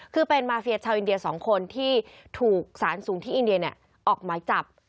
คือเป็นมาเฟียชาวอินเดีย๒คนที่ถูกสารสูงที่อินเดียออกหมายจับ